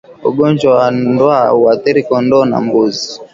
Ugonjwa wa ndwa huathiri kondoo na mbuzi